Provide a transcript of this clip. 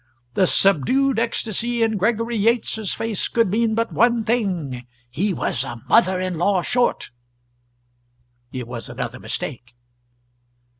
The subdued ecstasy in Gregory Yates's face could mean but one thing he was a mother in law short; it was another mistake.